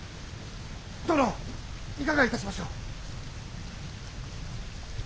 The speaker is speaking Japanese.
殿いかがいたしましょう？